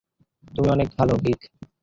তুমি অনেক ভালো, ভিক।